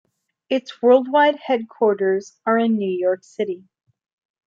Its worldwide headquarters are in New York City.